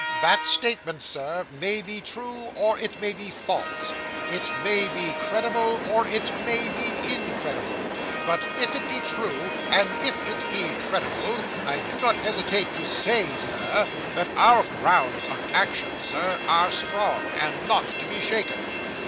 That statement, Sir, may be true, or it may be false; it may be credible, or it may be incredible; but, if it be true, and if it be credible, I do not hesitate to say, Sir, that our grounds of action, Sir, are strong, and not to be shaken.